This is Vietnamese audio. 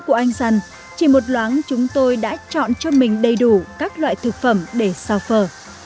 qua bàn tay khéo léo loáng chúng tôi đã chọn cho mình đầy đủ các loại thực phẩm để xào phở